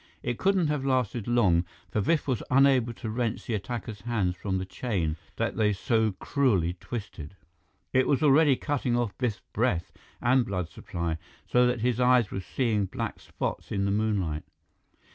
It couldn't have lasted long, for Biff was unable to wrench the attacker's hands from the chain that they so cruelly twisted. It was already cutting off Biff's breath and blood supply, so that his eyes were seeing black spots in the moonlight.